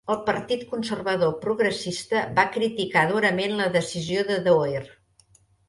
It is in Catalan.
El Partit Conservador Progressista va criticar durament la decisió de Doer.